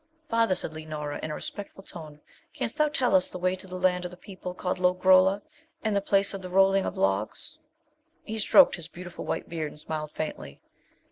'Father,' said Leonora, in a respectful tone, 'canst thou tell us the way to the land of the people called Lo grolla, and the place of the Rolling of Logs.' He stroked his beautiful white beard, and smiled faintly.